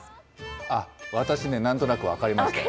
あっ、私ね、なんとなく分かりましたよ。